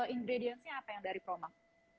ingredientsnya apa yang dari promak